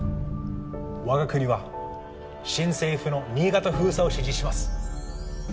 我が国は新政府の新潟封鎖を支持します。